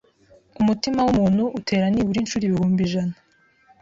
Umutima w’umuntu utera nibura inshuro ibihumbi ijana